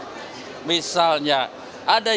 misalnya ada yang beririsan dengan materi penyelidikan